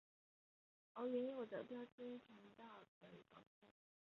而原有的标清频道则以高清节目下变换方式播出。